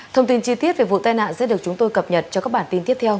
thông tin chi tiết về vụ tai nạn sẽ được chúng tôi cập nhật cho các bản tin tiếp theo